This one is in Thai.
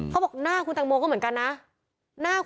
เขาบอกหน้าคุณตังโมก็เหมือนกันนะ